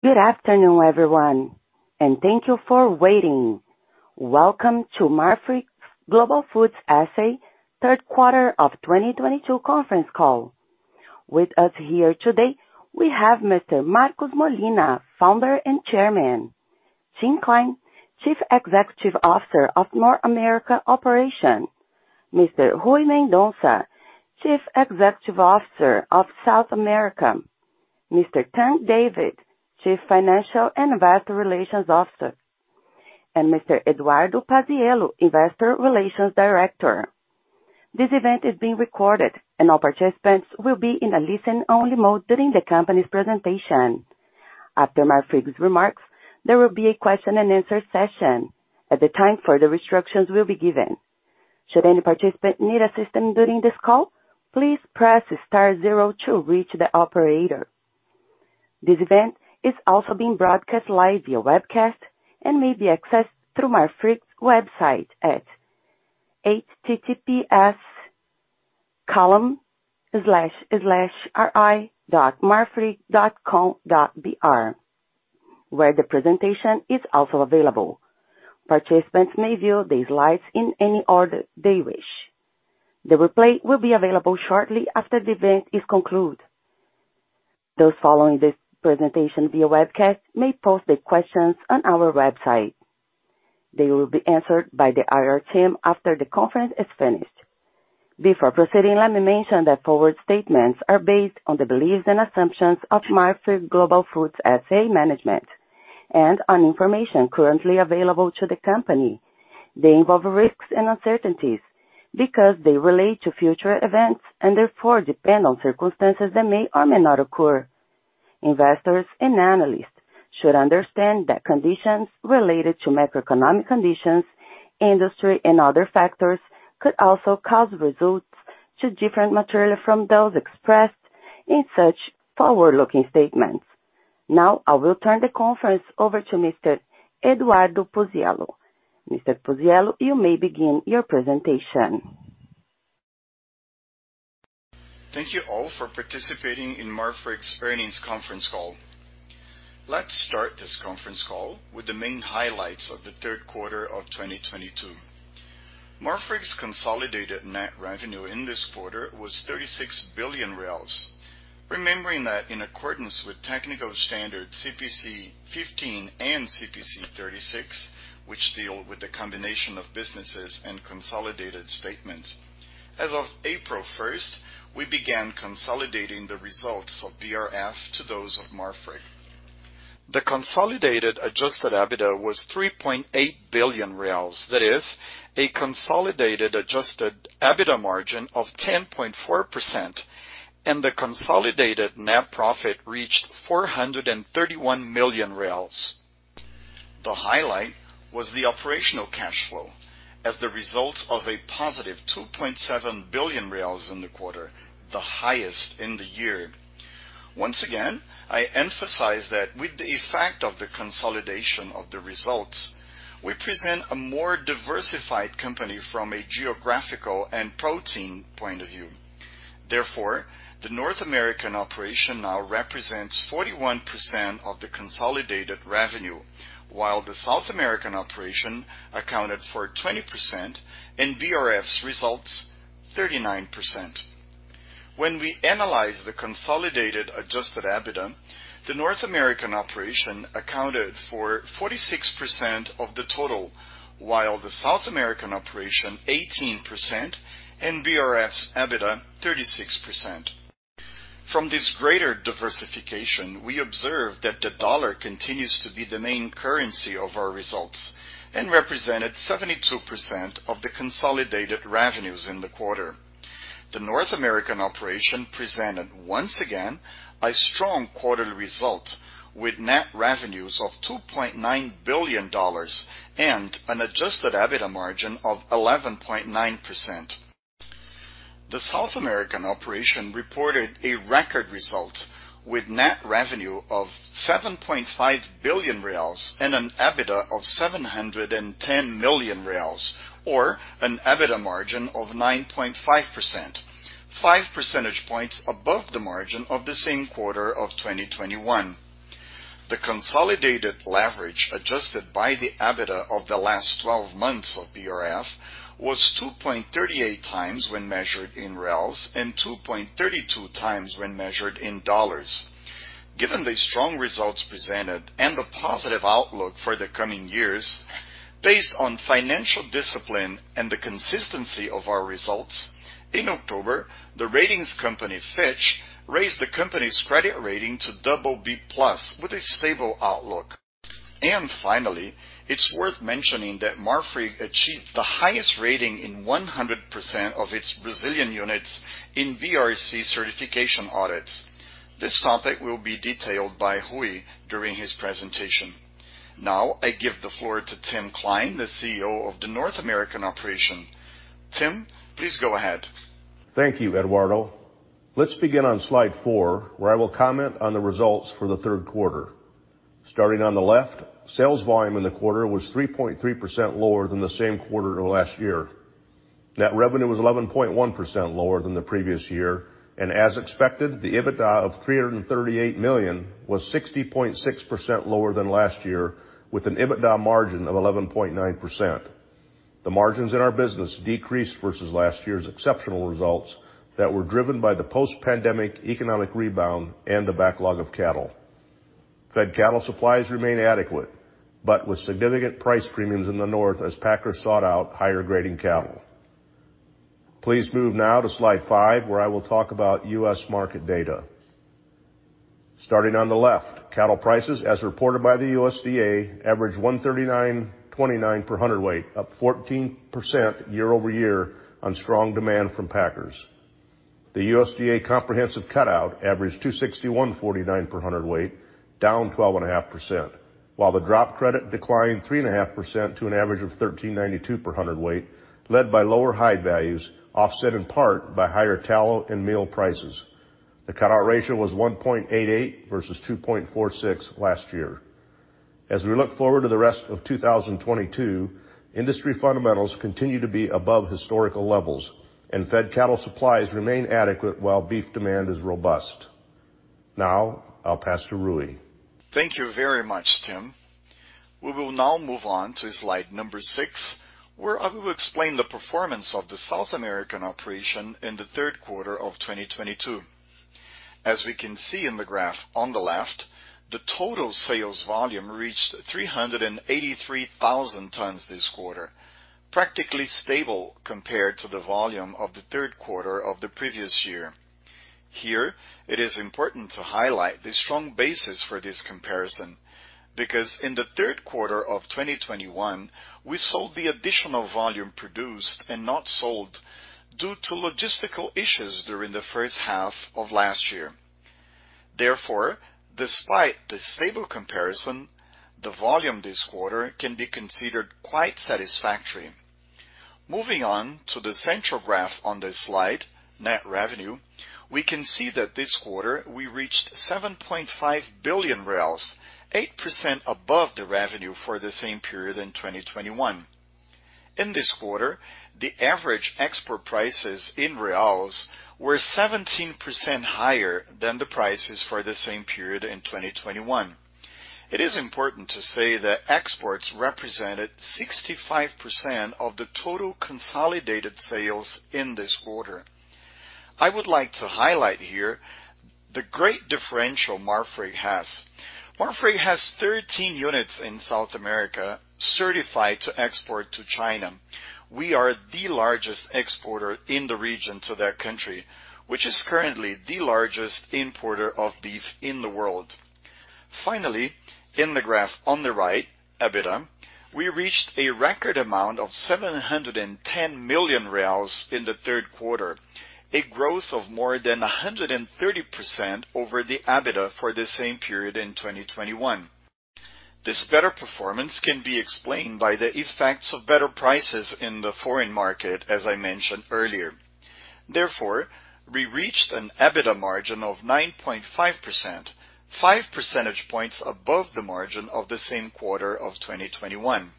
Good afternoon, everyone, and thank you for waiting. Welcome to Marfrig Global Foods S.A. third quarter of 2022 conference call. With us here today, we have Mr. Marcos Molina, founder and chairman, Tim Klein, Chief Executive Officer of North America Operation, Mr. Rui Mendonça, Chief Executive Officer of South America, Mr. Tang David, Chief Financial and Investor Relations Officer, and Mr. Eduardo Puzziello, Investor Relations Director. This event is being recorded, and all participants will be in a listen-only mode during the company's presentation. After Marfrig's remarks, there will be a question-and-answer session. At the time, further instructions will be given. Should any participant need assistance during this call, please press star zero to reach the operator. This event is also being broadcast live via webcast and may be accessed through Marfrig's website at https://ri.marfrig.com.br, where the presentation is also available. Participants may view these slides in any order they wish. The replay will be available shortly after the event is concluded. Those following this presentation via webcast may post their questions on our website. They will be answered by the IR team after the conference is finished. Before proceeding, let me mention that forward-looking statements are based on the beliefs and assumptions of Marfrig Global Foods S.A. management and on information currently available to the company. They involve risks and uncertainties because they relate to future events and therefore depend on circumstances that may or may not occur. Investors and analysts should understand that conditions related to macroeconomic conditions, industry, and other factors could also cause results to differ materially from those expressed in such forward-looking statements. Now, I will turn the conference over to Mr. Eduardo Puzziello. Mr. Puzziello, you may begin your presentation. Thank you all for participating in Marfrig's earnings conference call. Let's start this conference call with the main highlights of the third quarter of 2022. Marfrig's consolidated net revenue in this quarter was BRL 36 billion, remembering that in accordance with technical standard CPC 15 and CPC 36, which deal with the combination of businesses and consolidated statements. As of April first, we began consolidating the results of BRF to those of Marfrig. The consolidated adjusted EBITDA was 3.8 billion reais. That is a consolidated adjusted EBITDA margin of 10.4%, and the consolidated net profit reached 431 million. The highlight was the operational cash flow as the results of a positive 2.7 billion reais in the quarter, the highest in the year. Once again, I emphasize that with the effect of the consolidation of the results, we present a more diversified company from a geographical and protein point of view. Therefore, the North American operation now represents 41% of the consolidated revenue, while the South American operation accounted for 20% and BRF's results, 39%. When we analyze the consolidated adjusted EBITDA, the North American operation accounted for 46% of the total, while the South American operation 18% and BRF's EBITDA 36%. From this greater diversification, we observe that the U.S. dollar continues to be the main currency of our results and represented 72% of the consolidated revenues in the quarter. The North American operation presented, once again, a strong quarterly result with net revenues of $2.9 billion and an adjusted EBITDA margin of 11.9%. The South American operation reported a record result with net revenue of 7.5 billion reais and an EBITDA of 710 million reais or an EBITDA margin of 9.5%, five percentage points above the margin of the same quarter of 2021. The consolidated leverage adjusted by the EBITDA of the last twelve months of BRF was 2.38x when measured in reals and 2.32x when measured in dollars. Given the strong results presented and the positive outlook for the coming years based on financial discipline and the consistency of our results, in October, the ratings company Fitch raised the company's credit rating to BB+ with a stable outlook. Finally, it's worth mentioning that Marfrig achieved the highest rating in 100% of its Brazilian units in BRC certification audits. This topic will be detailed by Rui during his presentation. Now, I give the floor to Tim Klein, the CEO of the North American operation. Tim, please go ahead. Thank you, Eduardo. Let's begin on slide 4, where I will comment on the results for the third quarter. Starting on the left, sales volume in the quarter was 3.3% lower than the same quarter of last year. Net revenue was 11.1% lower than the previous year, and as expected, the EBITDA of 338 million was 60.6% lower than last year, with an EBITDA margin of 11.9%. The margins in our business decreased versus last year's exceptional results that were driven by the post-pandemic economic rebound and the backlog of cattle. Fed cattle supplies remain adequate, but with significant price premiums in the north as packers sought out higher-grading cattle. Please move now to slide 5, where I will talk about U.S. market data. Starting on the left, cattle prices, as reported by the USDA, averaged $139.29 per hundredweight, up 14% year-over-year on strong demand from packers. The USDA comprehensive cutout averaged $261.49 per hundredweight, down 12.5%, while the drop credit declined 3.5% to an average of $13.92 per hundredweight, led by lower hide values, offset in part by higher tallow and meal prices. The cutout ratio was 1.88 versus 2.46 last year. As we look forward to the rest of 2022, industry fundamentals continue to be above historical levels, and fed cattle supplies remain adequate while beef demand is robust. Now I'll pass to Rui. Thank you very much, Tim. We will now move on to slide number 6, where I will explain the performance of the South American operation in the third quarter of 2022. As we can see in the graph on the left, the total sales volume reached 383,000 tons this quarter, practically stable compared to the volume of the third quarter of the previous year. Here, it is important to highlight the strong basis for this comparison, because in the third quarter of 2021, we sold the additional volume produced and not sold due to logistical issues during the first half of last year. Therefore, despite the stable comparison, the volume this quarter can be considered quite satisfactory. Moving on to the central graph on this slide, net revenue, we can see that this quarter we reached 7.5 billion, 8% above the revenue for the same period in 2021. In this quarter, the average export prices in reals were 17% higher than the prices for the same period in 2021. It is important to say that exports represented 65% of the total consolidated sales in this quarter. I would like to highlight here the great differential Marfrig has. Marfrig has 13 units in South America certified to export to China. We are the largest exporter in the region to that country, which is currently the largest importer of beef in the world. Finally, in the graph on the right, EBITDA, we reached a record amount of 710 million reais in the third quarter, a growth of more than 130% over the EBITDA for the same period in 2021. This better performance can be explained by the effects of better prices in the foreign market, as I mentioned earlier. Therefore, we reached an EBITDA margin of 9.5%, five percentage points above the margin of the same quarter of 2021.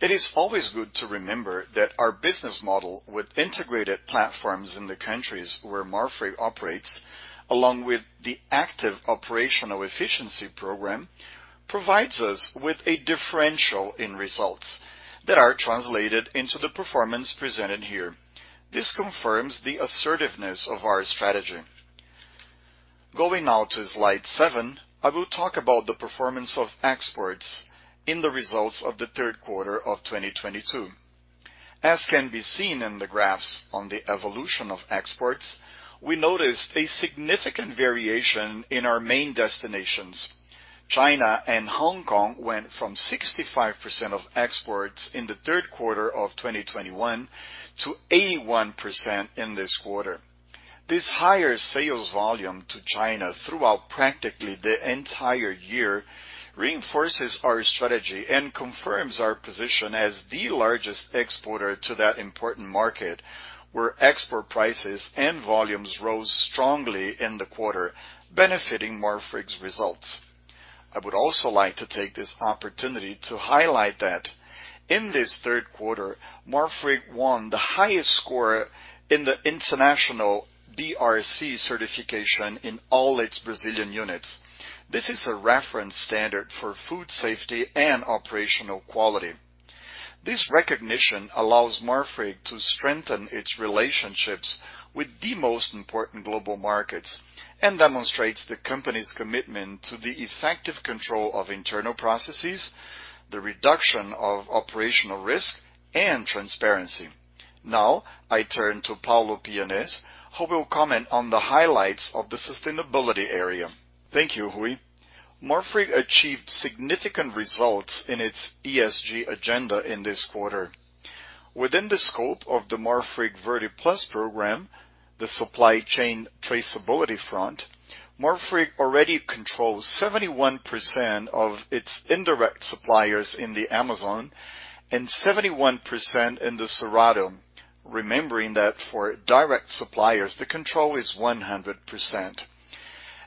It is always good to remember that our business model with integrated platforms in the countries where Marfrig operates, along with the active operational efficiency program, provides us with a differential in results that are translated into the performance presented here. This confirms the assertiveness of our strategy. Going now to slide 7, I will talk about the performance of exports in the results of the third quarter of 2022. As can be seen in the graphs on the evolution of exports, we noticed a significant variation in our main destinations. China and Hong Kong went from 65% of exports in the third quarter of 2021 to 81% in this quarter. This higher sales volume to China throughout practically the entire year reinforces our strategy and confirms our position as the largest exporter to that important market, where export prices and volumes rose strongly in the quarter, benefiting Marfrig's results. I would also like to take this opportunity to highlight that in this third quarter, Marfrig won the highest score in the international BRC certification in all its Brazilian units. This is a reference standard for food safety and operational quality. This recognition allows Marfrig to strengthen its relationships with the most important global markets and demonstrates the company's commitment to the effective control of internal processes, the reduction of operational risk, and transparency. Now, I turn to Paulo Pianez, who will comment on the highlights of the sustainability area. Thank you, Rui. Marfrig achieved significant results in its ESG agenda in this quarter. Within the scope of the Marfrig Verde+ program, the supply chain traceability front, Marfrig already controls 71% of its indirect suppliers in the Amazon and 71% in the Cerrado. Remembering that for direct suppliers, the control is 100%.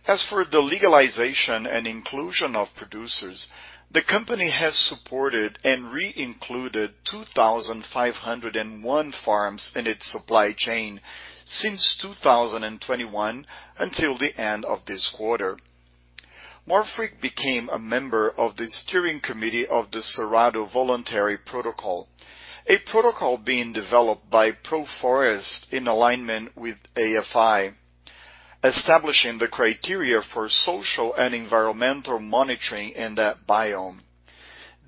As for the legalization and inclusion of producers, the company has supported and re-included 2,501 farms in its supply chain since 2021 until the end of this quarter. Marfrig became a member of the steering committee of the Cerrado Voluntary Protocol, a protocol being developed by Proforest in alignment with AFI, establishing the criteria for social and environmental monitoring in that biome.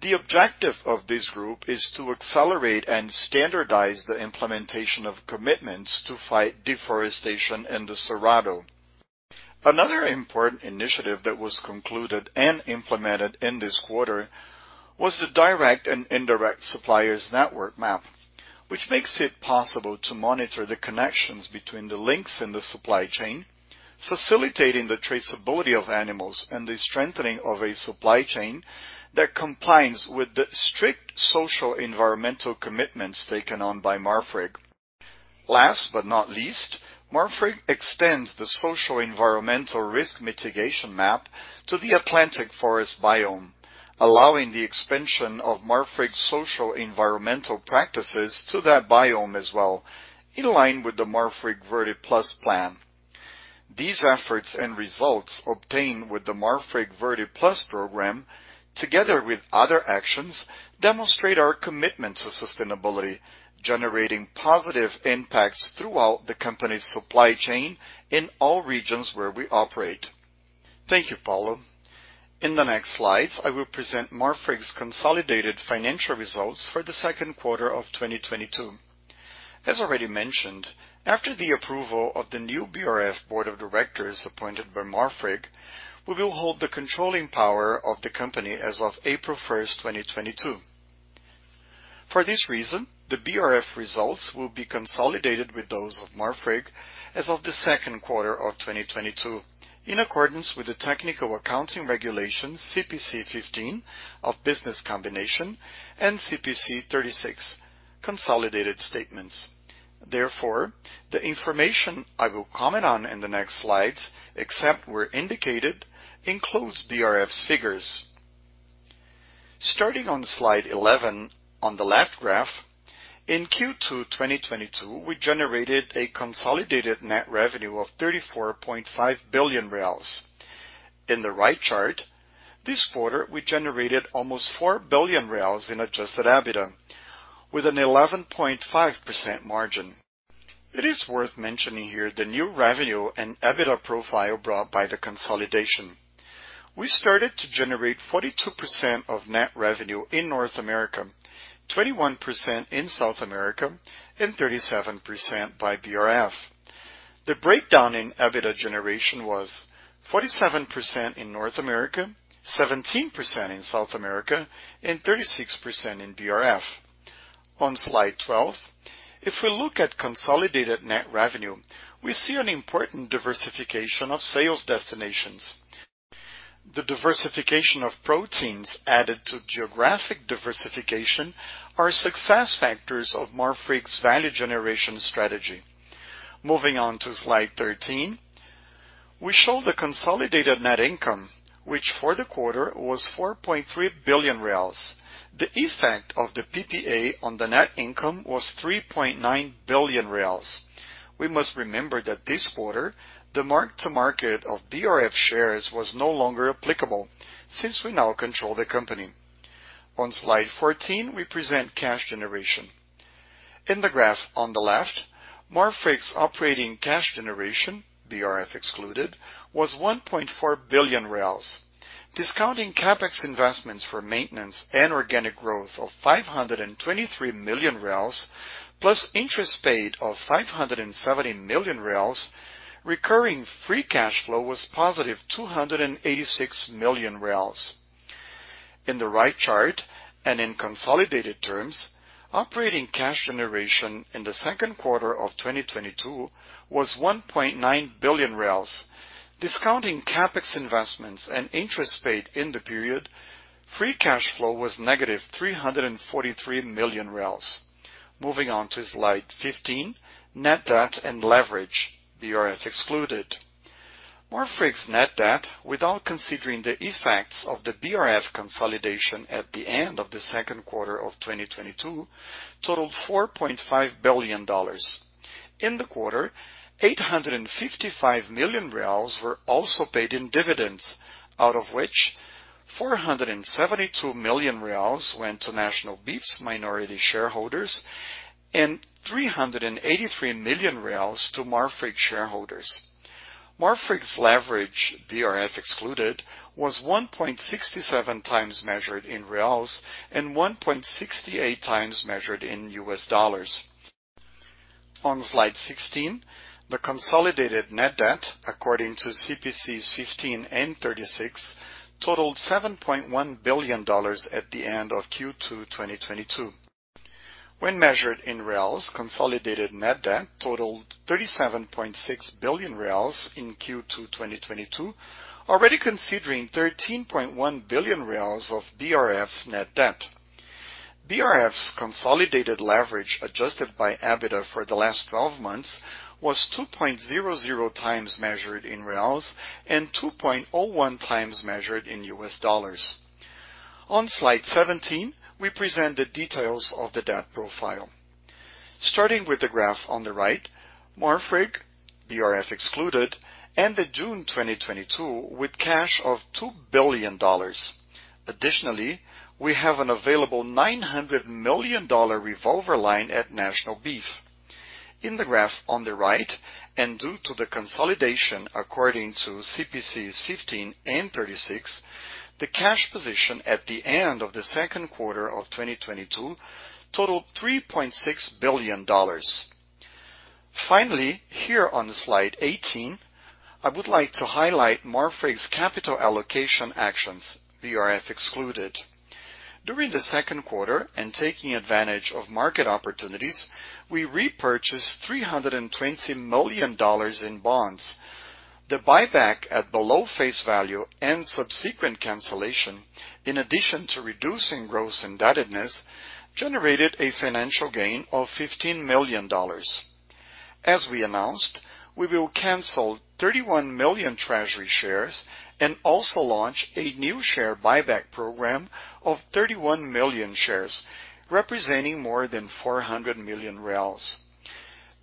The objective of this group is to accelerate and standardize the implementation of commitments to fight deforestation in the Cerrado. Another important initiative that was concluded and implemented in this quarter was the direct and indirect suppliers network map, which makes it possible to monitor the connections between the links in the supply chain, facilitating the traceability of animals and the strengthening of a supply chain that complies with the strict social environmental commitments taken on by Marfrig. Last but not least, Marfrig extends the social environmental risk mitigation map to the Atlantic Forest biome, allowing the expansion of Marfrig's social environmental practices to that biome as well, in line with the Marfrig Verde+ plan. These efforts and results obtained with the Marfrig Verde+ program, together with other actions, demonstrate our commitment to sustainability, generating positive impacts throughout the company's supply chain in all regions where we operate. Thank you, Paulo. In the next slides, I will present Marfrig's consolidated financial results for the second quarter of 2022. As already mentioned, after the approval of the new BRF board of directors appointed by Marfrig, we will hold the controlling power of the company as of April 1, 2022. For this reason, the BRF results will be consolidated with those of Marfrig as of the second quarter of 2022. In accordance with the technical accounting regulations CPC 15 of Business Combinations and CPC 36 consolidated statements. Therefore, the information I will comment on in the next slides, except where indicated, includes BRF's figures. Starting on slide 11, on the left graph, in Q2 2022, we generated a consolidated net revenue of 34.5 billion reais. In the right chart, this quarter, we generated almost 4 billion reais in adjusted EBITDA with an 11.5% margin. It is worth mentioning here the new revenue and EBITDA profile brought by the consolidation. We started to generate 42% of net revenue in North America, 21% in South America, and 37% by BRF. The breakdown in EBITDA generation was 47% in North America, 17% in South America, and 36% in BRF. On slide 12, if we look at consolidated net revenue, we see an important diversification of sales destinations. The diversification of proteins added to geographic diversification are success factors of Marfrig's value generation strategy. Moving on to slide 13, we show the consolidated net income, which for the quarter was 4.3 billion reais. The effect of the PPA on the net income was 3.9 billion reais. We must remember that this quarter, the mark to market of BRF shares was no longer applicable since we now control the company. On slide 14, we present cash generation. In the graph on the left, Marfrig's operating cash generation, BRF excluded, was 1.4 billion. Discounting CapEx investments for maintenance and organic growth of 523 million plus interest paid of 570 million, recurring free cash flow was positive 286 million. In the right chart and in consolidated terms, operating cash generation in the second quarter of 2022 was BRL 1.9 billion. Discounting CapEx investments and interest paid in the period, free cash flow was negative 343 million. Moving on to slide 15, net debt and leverage, BRF excluded. Marfrig's net debt, without considering the effects of the BRF consolidation at the end of the second quarter of 2022, totaled $4.5 billion. In the quarter, 855 million reais were also paid in dividends, out of which 472 million reais went to National Beef's minority shareholders and 383 million reais to Marfrig shareholders. Marfrig's leverage, BRF excluded, was 1.67x measured in reals and 1.68x measured in U.S. dollars. On slide 16, the consolidated net debt, according to CPC 15 and CPC 36, totaled $7.1 billion at the end of Q2 2022. When measured in reals, consolidated net debt totaled 37.6 billion reais in Q2 2022, already considering 13.1 billion reais of BRF's net debt. BRF's consolidated leverage adjusted by EBITDA for the last twelve months was 2.00x measured in reals and 2.01x measured in U.S. dollars. On slide 17, we present the details of the debt profile. Starting with the graph on the right, Marfrig, BRF excluded, ended June 2022 with cash of $2 billion. Additionally, we have an available $900 million revolver line at National Beef. In the graph on the right, due to the consolidation according to CPC 15 and CPC 36, the cash position at the end of the second quarter of 2022 totaled $3.6 billion. Finally, here on slide 18, I would like to highlight Marfrig's capital allocation actions, BRF excluded. During the second quarter and taking advantage of market opportunities, we repurchased $320 million in bonds. The buyback at below face value and subsequent cancellation, in addition to reducing gross indebtedness, generated a financial gain of $15 million. As we announced, we will cancel 31 million treasury shares and also launch a new share buyback program of 31 million shares, representing more than 400 million.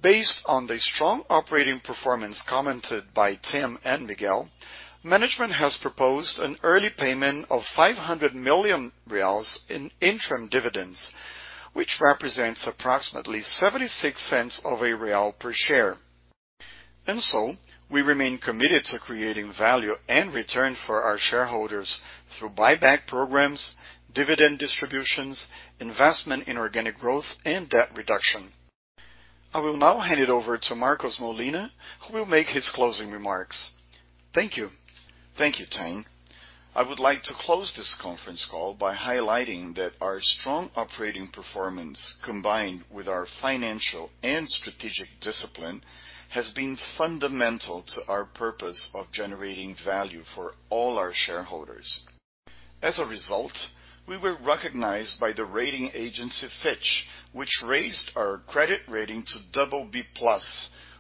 Based on the strong operating performance commented by Tim and Miguel, management has proposed an early payment of 500 million reais in interim dividends, which represents approximately BRL 0.76 per share. We remain committed to creating value and return for our shareholders through buyback programs, dividend distributions, investment in organic growth and debt reduction. I will now hand it over to Marcos Molina, who will make his closing remarks. Thank you. Thank you, Tang. I would like to close this conference call by highlighting that our strong operating performance, combined with our financial and strategic discipline, has been fundamental to our purpose of generating value for all our shareholders. As a result, we were recognized by the rating agency Fitch, which raised our credit rating to BB+,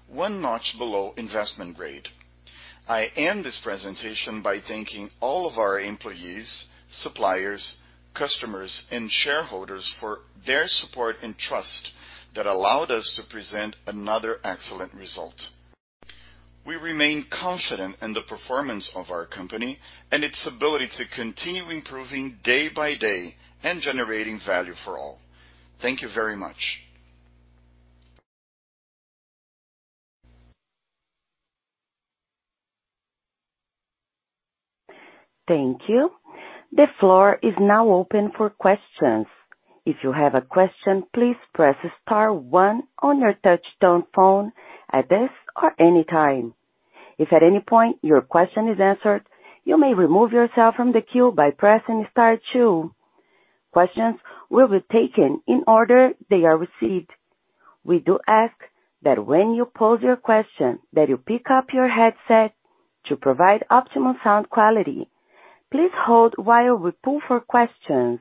one notch below investment grade. I end this presentation by thanking all of our employees, suppliers, customers and shareholders for their support and trust that allowed us to present another excellent result. We remain confident in the performance of our company and its ability to continue improving day by day and generating value for all. Thank you very much. Thank you. The floor is now open for questions. If you have a question, please press star one on your touch-tone phone at this or any time. If at any point your question is answered, you may remove yourself from the queue by pressing star two. Questions will be taken in order they are received. We do ask that when you pose your question that you pick up your headset to provide optimal sound quality. Please hold while we poll for questions.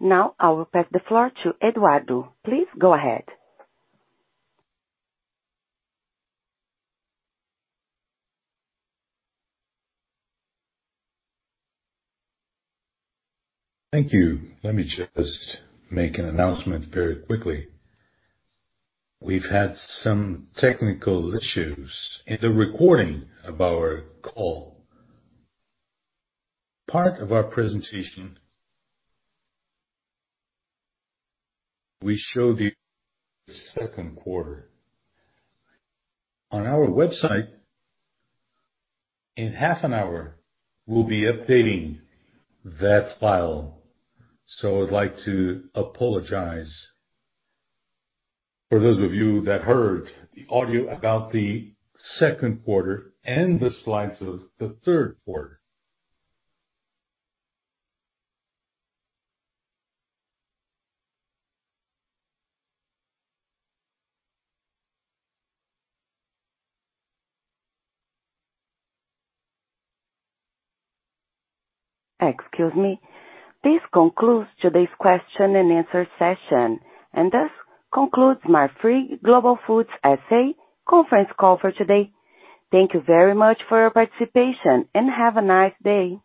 Now I will pass the floor to Eduardo. Please go ahead. Thank you. Let me just make an announcement very quickly. We've had some technical issues in the recording of our call. Part of our presentation, we show the second quarter. On our website in half an hour, we'll be updating that file. I'd like to apologize for those of you that heard the audio about the second quarter and the slides of the third quarter. Excuse me. This concludes today's question and answer session and thus concludes Marfrig Global Foods S.A. conference call for today. Thank you very much for your participation, and have a nice day.